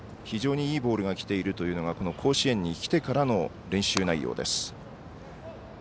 非常にいいボールがきているというのがこの甲子園に来てからの練習内容です。